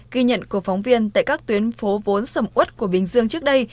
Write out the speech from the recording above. ghi nhận của phóng viên tại các tuyến phố vốn sầm út của bình dương trước đây